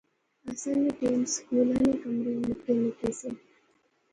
اساں نے ٹیم سکولا نے کمرے نکے نکے سے